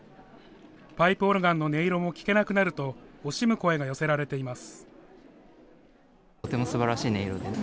パイプオルガンの音色も聞けなくなると惜しむ声が寄せられています。